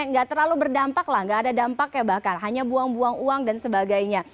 nggak terlalu berdampak lah nggak ada dampaknya bahkan hanya buang buang uang dan sebagainya